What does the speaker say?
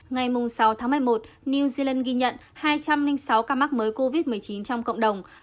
ngày sáu tháng một mươi một new zealand ghi nhận hai trăm linh sáu ca mắc mới covid một mươi chín trong cộng đồng